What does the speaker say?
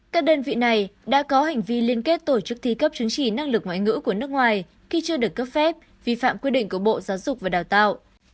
các đơn vị này đã có hành vi liên kết tổ chức thi cấp chứng chỉ năng lực ngoại ngữ của nước ngoài khi chưa được cấp phép vi phạm quy định của bộ giáo dục và đào tạo